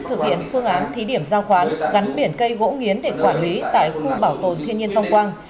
thực hiện phương án thí điểm giao khoán gắn biển cây gỗ nghiến để quản lý tại khu bảo tồn thiên nhiên phong quang